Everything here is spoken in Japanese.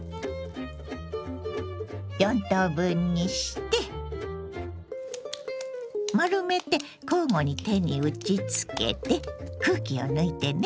４等分にして丸めて交互に手に打ちつけて空気を抜いてね。